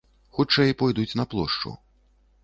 Хутчэй пойдуць на плошчу.